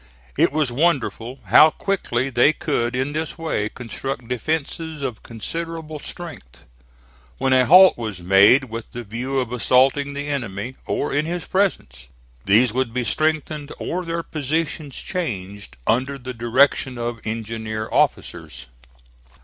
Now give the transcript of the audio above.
It was wonderful how quickly they could in this way construct defences of considerable strength. When a halt was made with the view of assaulting the enemy, or in his presence, these would be strengthened or their positions changed under the direction of engineer officers.